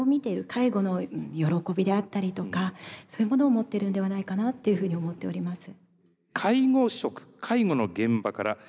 介護の喜びであったりとかそういうものを持ってるんではないかなっていうふうに思っております。